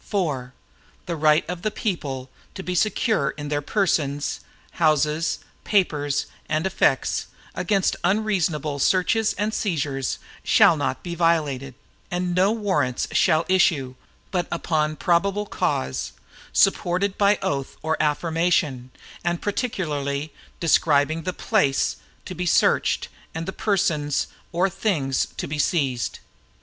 IV The right of the people to be secure in their persons, houses, papers, and effects, against unreasonable searches and seizures, shall not be violated, and no Warrants shall issue, but upon probable cause, supported by oath or affirmation, and particularly describing the place to be searched, and the persons or things to be seized.